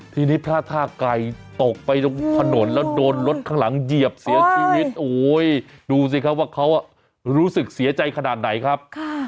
ทีนี้พระท่าไก่ตกไปตรงถนนแล้วโดนรถข้างหลังเหยียบเสียชีวิตโอ้ยดูสิครับว่าเขารู้สึกเสียใจขนาดไหนครับ